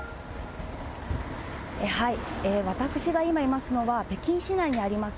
私が今いますのは、北京市内にあります